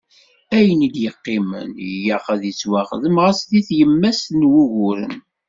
Ayen i d-yeqqimen ilaq ad yettwaxdem, ɣas di tlemmast n wuguren.